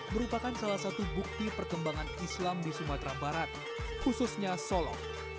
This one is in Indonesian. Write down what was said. merupakan salah satu bukti perkembangan islam di sumatera barat khususnya solo